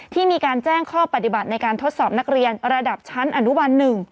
ที่มีการแจ้งข้อปฏิบัติในการทดสอบนักเรียนระดับชั้นอนุบัน๑